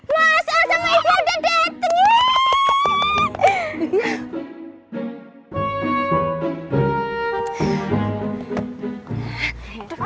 mas al sama ibu udah dateng